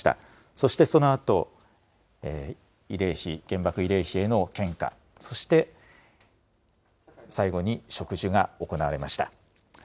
そしてそのあと原爆慰霊碑への献花、そして、最後に植樹が行われました。